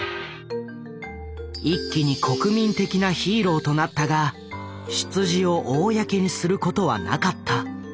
一気に国民的なヒーローとなったが出自を公にすることはなかった。